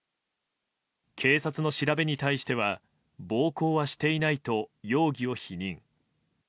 警察の調べに対しては暴行はしていないと容疑を否認。